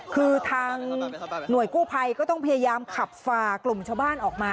คือทางหน่วยกู้ภัยก็ต้องพยายามขับฝ่ากลุ่มชาวบ้านออกมา